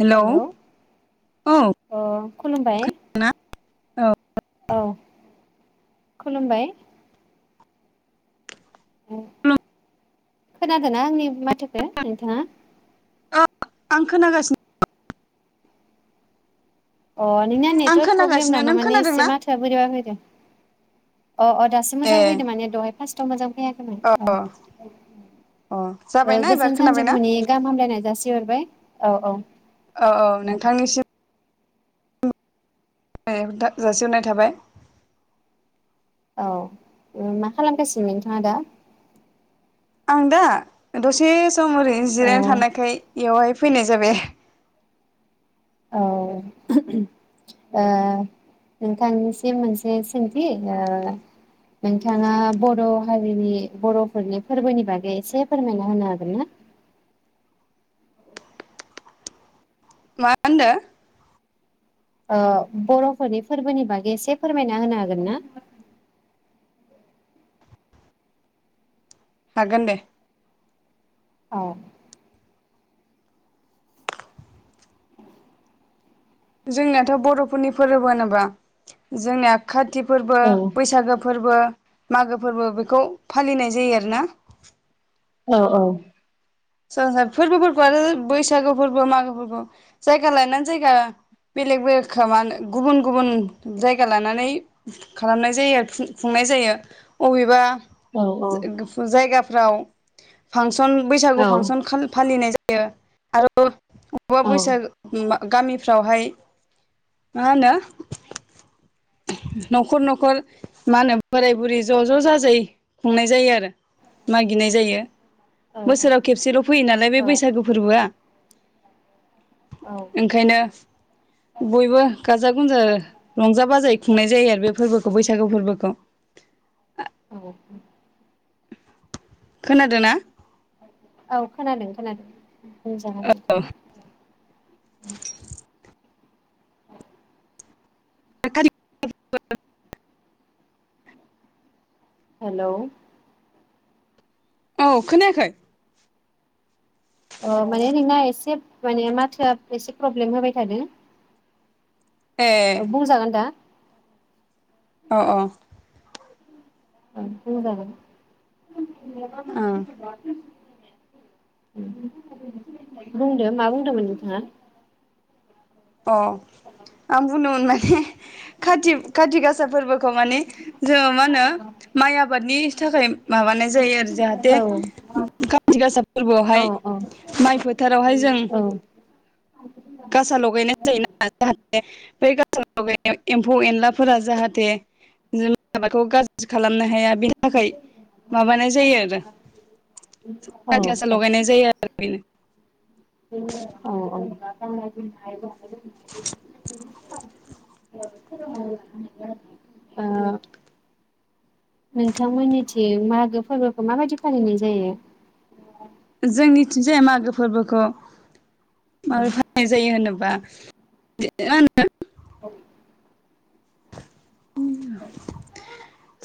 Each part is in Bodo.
हेलौ हेल' औ अ खुलुमबाय ना औ औ खुलुमबाय खोनादोंना आंनि माथोखौ नोंथाङा? अ आं खोनागासिनो अ नोंनिना आं नेटवार्क प्रब्लेम खोनागासिनो नों नामा माने खोनादोंना एसे माथोआ बोरैबा फैदों? अ अ दासो ए मोजां फैदों माने दहाय फार्स्टआव मोजां फैयाखैमोन अ औ अ जाबायना एबार गोजोन खोनाबायना सानजौफुनि गाहाम हामब्लायनायखौ जाासिहरबाय औ-औ औ-औ नोंथांनिसिम जासिहरनाय थाबाय औ मा खालामगासिनो नोंथाङा दा? आं दा दसे सम ओरैनो औ जिरायनो थानायखाय एवहाय फैनाय जाबाय। औ ओ नोंथांनिसिम मोनसे सोंथि ओ नोंथाङा बर' हारिनि बर'फोरनि फोरबोनि बागै एसे फोरमायना होनो हागोन ना? मा होनदों? ओं बर'फोरनि फोरबोनि बागै एसे फोरमायना होनो हागोन ना? हागोन दे। औ। जोंनियाथ' बर'फोरनि फोरबो होनोबा जोंनिया खाथि फोरबो औ बैसागो फोरबो मागो फोरबो बेखौ फालिनाय जायो आरोना। औ औ। सोरबा सोरबा फोरबोफोरखौ आरो बैसागु फोरबो मागो फोरबो जायगा लानानै जायगा फोरबोफोरखौ बैसागो फोरबो मागो फोरबो बेलेग बेलेक खाला- मा होनो गुबुन गुबुन जायगा लानानै खालामनाय जायो खुंनाय जायो अबेबा औ जायगा फोराव फांसन औ फांसन खा-फालिनाय जा बेयो आरो अबबा औ बैसागो गामिफ्रावहाय मा होनो न'खर न'खर मा होनो बोराय बुरै ज' ज' जाजाय खुंनाय जायो आरो मागिनाय जायो। औ बोसोराव खेबसेल' फैयो नालाय बे औ बैसागु फोरबोआ। औ ओंखायनो बयबो गाजा रंजा बाजायै खुंनाय जायो आरो बे फोरबोखौ बैसागु फोरबोखौ। औ। खोनादों ना? औ खोनादों खोनादों। जागोनखौ [unintelligible] [unintelligible] हेल'! औ खोनायाखै? अ माने नोंना एसे माने माथोआ एसे प्रब्लेम होबाय थादो। ए औ बुंजागोन दा? अ अ। ओ बुंजागोन। ओं [unintelligible] बुंदो मा बुंदोंमोन नोंथाङा? अ आं बुंदोंमोन माने खाथि खाथि गासा फोरबोखौ मानि जोङो मा होनो माइ आबादनि थाखाय माबानाय जायो आरो जाहाथे औ खाथि गासा औ फोरबोआवहाय औ माइ फोथारावहाय जों औ गासा लगायनाय जायोना जाहाथे बै गा सा लगायनाया एम्फौ एनलाफोरा जाहाथे [unintelligible] माबाखौ गाज्रि खालामनो हाया। बिनि थाखाय माबानाय जायो आरो‌ औ खाथिगासा लगायनाय जायो आरो बेनो। बेनो जेनोबा औ औ ओ गाननाय जोमनाय जानाय लों [unintelligible] ओ नोंथांमोननिथि मागो फोरबोखौ माबायदि फालिनाय जायो? जोंनिथिंजाय मागो फोरबोखौ माबोरै फालिनाय जायो होनोबा [unintelligible] औ।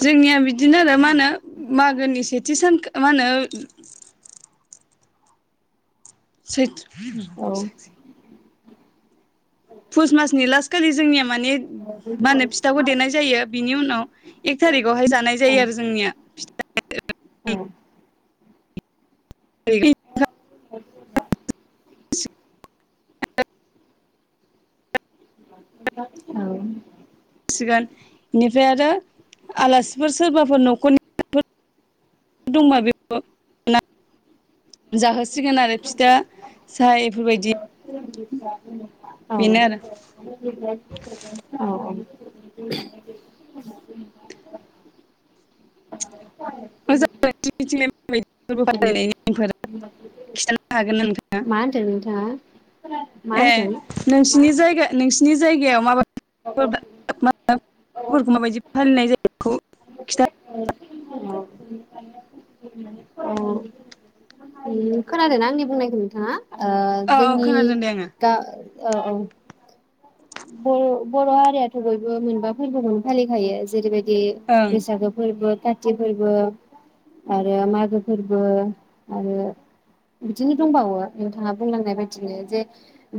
जोंनिया बिदिनो आरो मा नो मागोनि से जिसोन [inaudible] मा होनो सैत औ [unintelligible] फुस मासनि लास खालि जोंनिया माने मा होनो फिथाखौ देनाय जायो बिनि उनाव एक थारिखआवहाय जानाय औ जायो आरो जोंनिया औ फि [inaudible] [unintelligible] [unintelligible] औ। सिगोन बेनिफ्राय आरो आलासिफोर [unintelligible] दंबा बे [inaudible] साहा औ बेफोरबायदि बेनो औ आरो औ। [unintelligible] मोजां [unintelligible] फालिनाय नेमफोरा खिथानो हागोनना नों मा होनदों नोंथाङा? मा ए होनदों? नोंसिनि जायगा नोंसिनि जायगायाव माबा [unintelligible] फोरबोफोरखौ माबायदि फालिनाय जायो बेखौ खिथा [unintelligible] अ खोनादों आंनि बुंनायखौ नोंथाङा? ओ औ औ जोंनि खोनादों दे आङो गा औ औ बर' बर' हारियाथ' बयबो मोनबा फोरबोखौनो फालिखायो जेरैबायदि बैसागो फोरबो खाथि सा फोरबो आरो मागो फोरबो आरो बिदिनो दंबावो नोंथाङा बुंलांनाय बायदिनो जे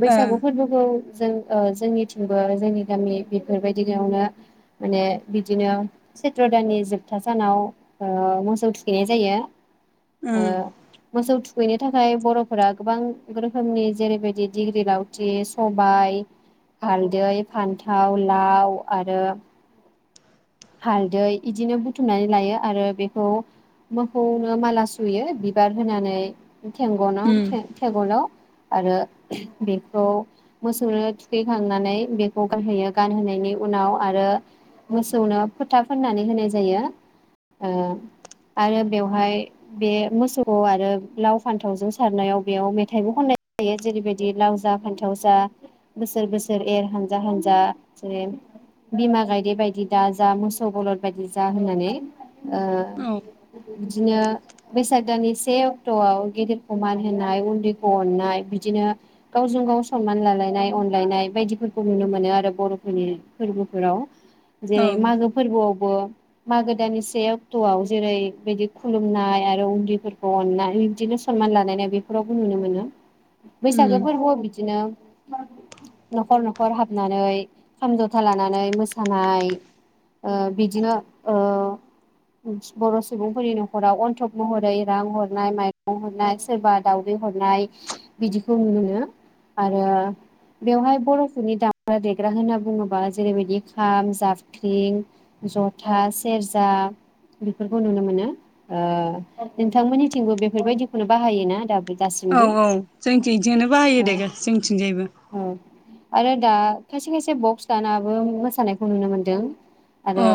बैसागु फोरबोखौ जों जोंनिथिंबो जोंनि गामि बेफोरबायदियावनो माने बिदिनो चैथ्र दाननि जोबथा सानाव ओ मोसौ थुखैनाय जायो ओ ओं मोसौ थुखै खैनो थाखाय बर'फोरा गोबां रोखोमनि जेरैबायदि डिग्रि लावथि सबाय हालदै, फान्थाव, लाव आरो हालदै, इदिनो बुथुमनानै लायो आरो बेखौ मोखौनो माला सुयो बिबार होनानै थेंगनाव ओ ओम थेंगनाव आरो बेखौ मोसौनो थुखैखांनानै बेखौ गानहोयो गानहोनायनि उनाव आरो मो मोसौनो फोथा फोननानै होनाय जायो आरो बेवहाय बे मोसौखौ आरो लाव फान्थावजों सारनायाव बेयाव मेथाइबो खननाय जायो जेरैबायदि लाव जा फान्थाव जा बोसोर बोसोर एर हानजा हानजा जेरै बिमा गायदे बायदि दा जा मोसौ बलद बायदि जा होननानै ओम औ ओ बिदिनो बैसाग दाननि से अक्ट'आव गेदेरखौ मान होनाय उन्दैखौ अननाय बिदिनो गावजों गाव सनमान लालायनाय अनलायनाय बायदिफोरखौ नुनो मोनो आरो बर'फोरनि फोरबोफोराव औ जेरै मागो फोरबोआवबो मागो दानानि से अक्ट'आव जेरै बिदि खुलुमनाय आरो उन्दैफोरखौ अननाय बिदिनो सनमान लानायनाय बेफोरावबो नुनो मोनो बैसागो ओम फोरबोआव बिदिनो न'खर न'खर हाबनानै खाम जथा लानानै मोसानाय ओ बिदिनो ओ बर' सुबुंफोरनि न'खराव अन्थब महरै रां हरनाय माइरं हरनाय सोरबा दावदै हरनाय बिदिखौ नुयो आरो बेवहाय बर'फोरनि दामग्रा देग्रा होनना बुङोबा जेरैबायदि खाम, जाब क्रिं, जथा, सेरजा बेफोरखौ नुनो मोनो ओ नोंथांमोननिथिंबो बेफोरबायदिखौनो बाहायोना दा औ औ जोंथिंजोंनो बाहायो औ दे जोंथिंजायबो औ आरो दा खायसे खायसे बक्स दानाबो मोसानायखौ नुनो मोन दों आरो औ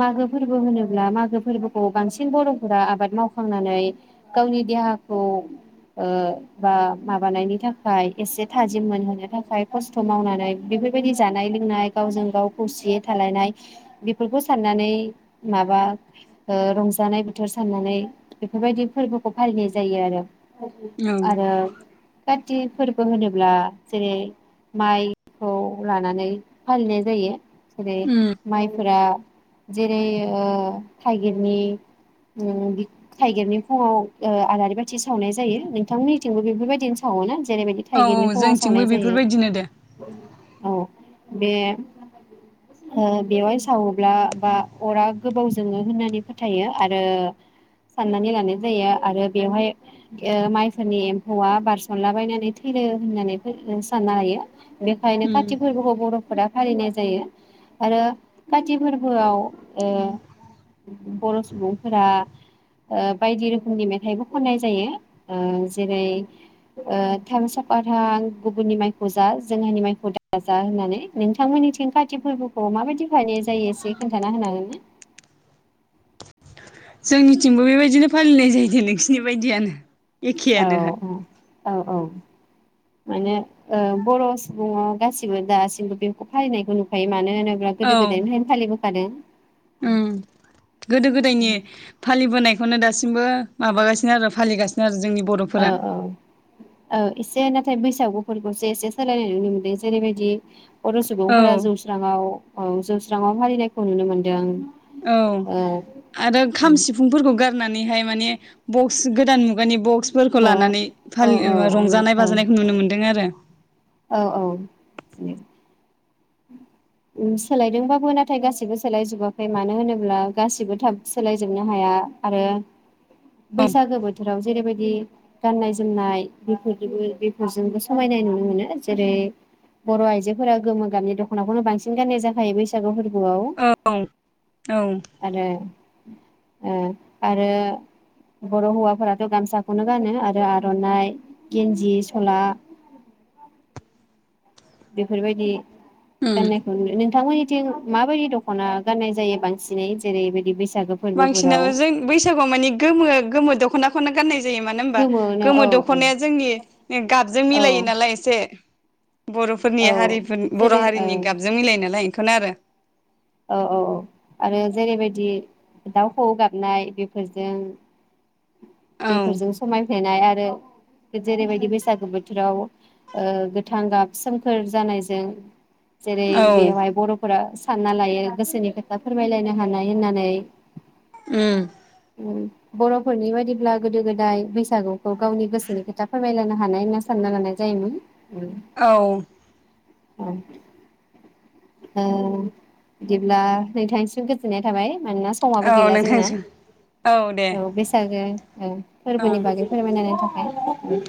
मागो फोरबो होनोब्ला मागो फोरबोखौ बांसिन बर'फोरा आबाद मावखांनानै गावनि देहाखौ ओ बा माबानायनि थाखाय एसे थाजिम मोनहोनो थाखाय खस्थ' मावनानै बेफोरबायदि जानाय लोंनाय गावजों गाव खौसेयै थालायनाय बेफोरखौ साननानै माबा ओ रंजानाय बोथोर साननानै बेफोरबायदि फोरबोखौ फालिनाय जायो आरो औ आरो थि फोरबो होनोब्ला जेरै माइ खौ लानानै फालिनाय जायो जेरै ओम माइफोरा जेरै ओ थाइगिरनि उम थाइगिरनि फुङाव आलारि बाथि सावनाय जायो नोंथांमोननिथिंबो बेफोरबायदिनो सावोना? जेरैबायदि औ थाइगिरनि औ फुङाव जोंथिंबो सावनाय जायो बेफोरबायदिनो दे औ बे बेवहाय सावोब्ला बा अरा गोबाव जोङो होननानै फोथायो आरो साननानै लानाय जायो आरो बेवहाय माइफोरनि एम्फौआ बारसनलाबायनानै थैयो होननानै सानना लायो बेखायनो उम खाथिफोरबोखौ बर' फोरा फालिनाय जायो आरो काति फोरबोआव ओ बर' सुबुंफोरा ओ बायदि रोखोमनि मेथाइबो खननाय जायो जेरै ओ थां सखा थां गुबुननि माइखौ जा जोंहानि माइखौ दा जा होननानै नोंथांमोननि- काति फोरबोखौ माबायदि फालिनाय जायो एसे खोन्थाना होनो हागोनना? जोंनिथिंबो बेबायदिनो फालिनाय जाहैदों नोंसिनि बायदियानो औ एखेयानो औ औ माने ओ बर' सुबुंआव गासिबो दासिमबो बेखौ फालिनायखौ नुखायो मानो होन औ उम गोदो गोदायनि फालिबोनायखौनो दासिमबो माबागासिनो आरो फालिगासिनो आरो जोंनि औ बर'फोरा औ औ एसे बैसागुफोरखौसो एसे सोलायनाय नुनो मोनदों जेरैबायदि बर' औ सुबुंफोरा जौस्राङाव अ जौ स्रााङाव फालिनायखौ नुनो मोन्दों औ आरो खाम सिफुंफोरखौ गारनानैहाय माने बक्स गोदान मुगानि बक स फोरफोरखौ ब लानानै औ औ फालि औ रंजानाय औ बाजानायखौ नुनो मोन्दों आरो औ औ सोलायदोंबाबो नाथाय गासिबो सोलायजोबाखै मानो होनोब्ला गासिबो थाब सोलायजोबनो हाया आरो औ बैसागो बोथोराव जेरैबायदि बिदि गाननाय जोमनाय बेफोरबो बेफोरजोंबो समायनाय नुनो मोनो जेरै बर' आइजोफोरा गोमो गामनि दख'नाखौनो बांसिन गाननाय जाखायो बैसागु फोर औ औ आरो ओ आरो बर' हौवाफोराथ' गामसाखौनो गानो आरो आर'नाइ गेन्जि सला बेफोरबायदि उम गाननायखौ नुयो नों थांमोननिथिं माबायदि दख'ना गाननाय जायो बांसिनै जेरैबायदि बै बांसिनाव जों बैसागुआव मानि गोमो गोमो दख'ना खौनो गाननाय जायो मानो होमबा गोमोनो औ गोमो दख'नाया जोंनि गाबजों औ मिलायो नालाय एसे बर'फोरनि औ हारिफोरनि बर' जेरै हारिनि ओ गाबजों मिलायो नायालाय खौनो आरो औ औ औ आरो जेरैबायदि दाउ खौऔ गाबनाय बेफोरजों बेफोरजों औ समायफ्लायनाय आरो जेरैबायदि बैसागु बोथोराव ओ गोथां गाब सोमखोर जानायजों जेरै औ बेवहाय बर'फोरा सानना लायो गोसोनि खोथा फोरमायलायनो हानाय होननानै उम [inaudible] उम बर' फोरनि बायदिब्ला गोदो गोदाय बैसागु गाव गावनि गोसोनि खोथा फोरमायलायना हानाय होनना सानना लानाय जायोमोन औ [inaudible] ओ बिदिब्ला नोंथांनिसिम गोजोननाय थाबाय मानोना समाबो औ गैला जोंना नोंथांसिम औ बेसे बैसागो औ ओं फोरबोनि बागै फोरमायनायनि थाखाय [inaudible]